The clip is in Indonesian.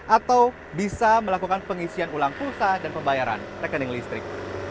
atau bisa melakukan pengisian ulang pulsa dan pembayaran rekening listrik